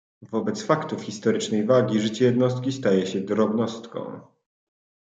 "Wobec faktów historycznej wagi życie jednostki staje się drobnostką."